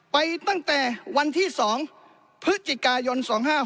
ไปตั้งแต่วันที่๒พฤศจิกายน๒๕๖๖